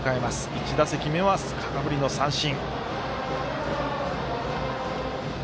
１打席目は空振りの三振。